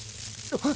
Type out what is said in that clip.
あっ。